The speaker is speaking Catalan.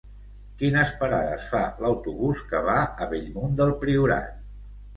Quines parades fa l'autobús que va a Bellmunt del Priorat?